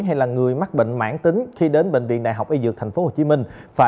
hay là người mắc bệnh mãn tính khi đến bệnh viện đại học y dược thành phố hồ chí minh